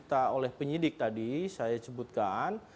yang dikumpulkan oleh penyidik tadi saya sebutkan